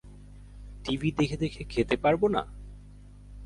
TV দেখে দেখে খেতে পারব না?